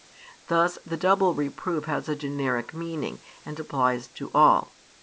Thus the double reproof has a generic meaning, and applies to all.